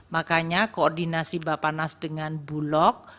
makanya koordinasi bapanas dengan bulog